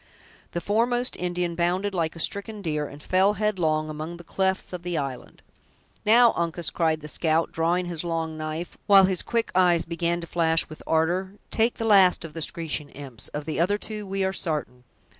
The foremost Indian bounded like a stricken deer, and fell headlong among the clefts of the island. "Now, Uncas!" cried the scout, drawing his long knife, while his quick eyes began to flash with ardor, "take the last of the screeching imps; of the other two we are sartain!"